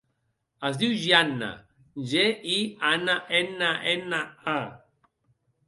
Es diu Gianna: ge, i, a, ena, ena, a.